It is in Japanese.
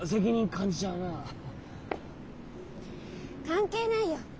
関係ないよ。